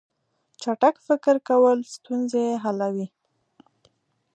چټک فکر کول ستونزې حلوي.